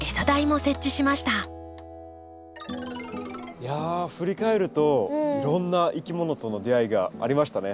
いや振り返るといろんないきものとの出会いがありましたね。